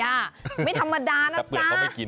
มันไม่ธรรมดาหรอกจ้ะ